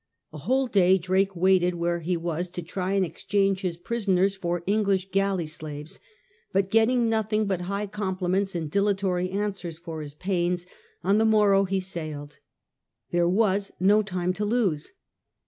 A whole day Drake waited where he was to try and exchange his prisoners for English galley slaves, but getting nothing but high compliments and dilatory answers for his pains, on the morrow he sailed. There was no time to lose.